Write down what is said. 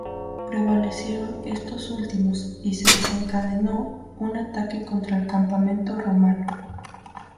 Prevalecieron estos últimos, y se desencadenó un ataque contra el campamento romano.